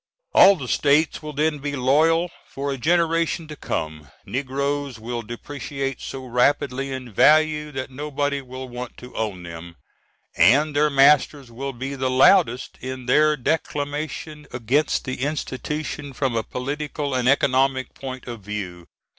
All the states will then be loyal for a generation to come. Negroes will depreciate so rapidly in value that nobody will want to own them, and their masters will be the loudest in their declamation against the institution from a political and economic point of view.